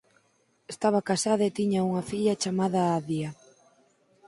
Estaba casada e tiña unha filla chamada Adia.